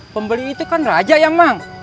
pembeli itu kan raja yemek